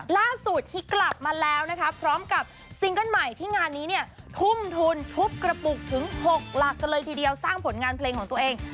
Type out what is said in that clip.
ล่าสุดที่กลับมาแล้วนะคะพร้อมกับซิงเกิ้ลใหม่ที่งานนี้เนี่ยทุ่มทุนทุบกระปุกถึง๖หลักกันเลยทีเดียวสร้างผลงานเพลงของตัวเอง